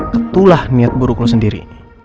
ketulah niat buruk lo sendiri